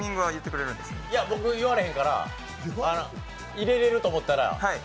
僕、言われへんから、入れれると思ったら。